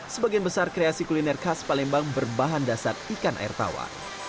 sebagian besar kreasi kuliner khas palembang berbahan dasar ikan air tawa